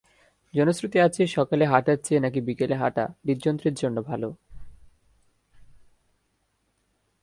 জনশ্রুতি আছে, সকালে হাঁটার চেয়ে নাকি বিকেলে হাঁটা হৃদ্যন্ত্রের জন্য ভালো।